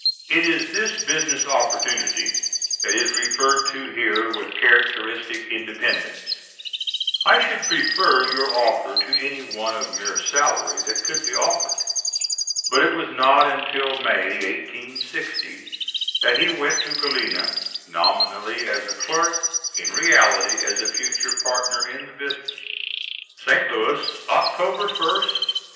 It is this business opportunity that is referred to here with characteristic independence, "I should prefer your offer to any one of mere salary that could be offered." But it was not until May, 1860, that he went to Galena, nominally as a clerk, in reality as a future partner in the business.] St. Louis, Oct. 1st, 1858.